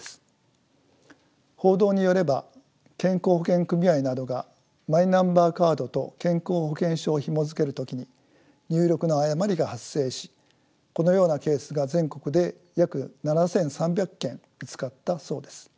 報道によれば健康保険組合などがマイナンバーカードと健康保険証をひもづける時に入力の誤りが発生しこのようなケースが全国で約７，３００件見つかったそうです。